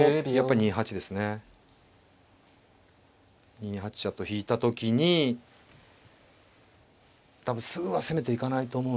２八飛車と引いた時に多分すぐは攻めていかないと思うんですね。